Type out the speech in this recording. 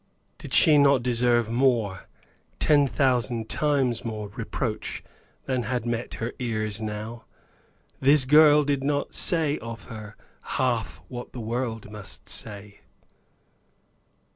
Did she not deserve more, ten thousand times more reproach than had met her ears now? This girl did not say of her half what the world must say.